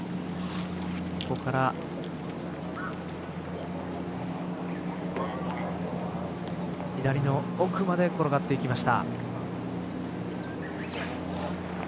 ここから左の奥まで転がっていきました。